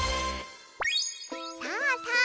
さあさあ